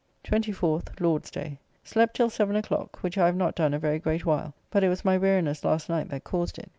24th (Lord's day). Slept till 7 o'clock, which I have not done a very great while, but it was my weariness last night that caused it.